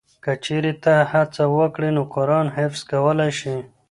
که چېرې ته هڅه وکړې نو قرآن حفظ کولی شې.